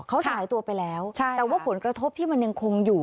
เขาสลายตัวไปแล้วแต่ว่าผลกระทบที่มันยังคงอยู่